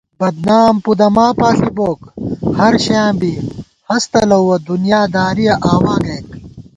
بدنام پُدَما پاݪی بوک ہرشَیاں بی ہَس تلَؤوَہ دُنیا دارِیَہ آوا گَئیک